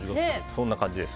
そんな感じです。